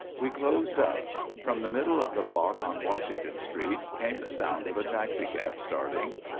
We closed up. From the middle of the block on Washington Street came the sound of a taxicab starting.